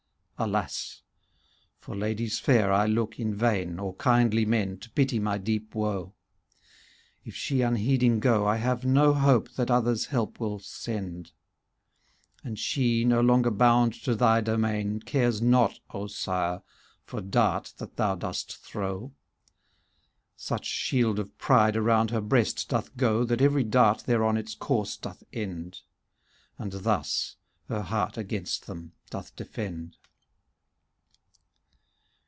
Alas ! for ladies fair I look in vain, Or kindly men, to pity my deep woe. If she unheeding go, I have no hope that others help will send. ^° And she, no longer bound to thy domain. Cares not, O Sire, for dart that thou dost throw; Such shield of pride around her breast doth go. That every dart thereon its course doth end; And thus her heart against them doth defend.